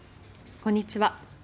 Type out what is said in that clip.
こんにちは。